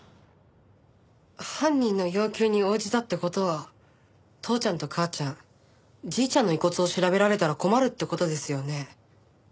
犯人の要求に応じたって事は父ちゃんと母ちゃんじいちゃんの遺骨を調べられたら困るって事ですよね。